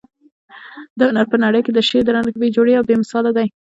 د هنر په نړۍ کي د شعر درنښت بې جوړې او بې مثاله دى.